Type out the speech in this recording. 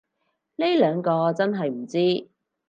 呢兩個真係唔知